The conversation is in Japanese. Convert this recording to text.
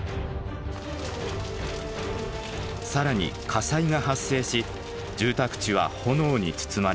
更に火災が発生し住宅地は炎に包まれます。